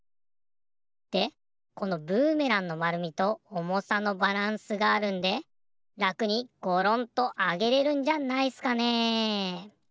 でこのブーメランのまるみとおもさのバランスがあるんでらくにゴロンとあげれるんじゃないっすかね。